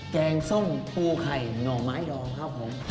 แกงส้มภูไข่หน่อไม้ดองครับผม